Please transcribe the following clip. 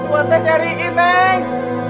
buatnya cari ini neng